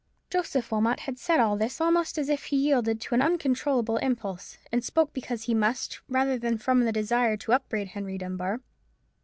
Joseph Wilmot had said all this almost as if he yielded to an uncontrollable impulse, and spoke because he must speak, rather than from the desire to upbraid Henry Dunbar.